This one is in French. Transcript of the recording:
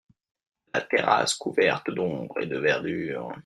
La terrasse couverte d’ombre et de verdure.